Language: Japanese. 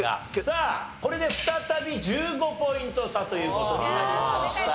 さあこれで再び１５ポイント差という事になりました。